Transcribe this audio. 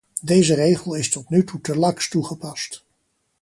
Deze regel is tot nu toe te laks toegepast.